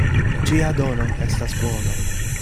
Ĉia dono estas bono.